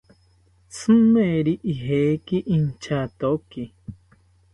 Tzimeri ijeki inchatoki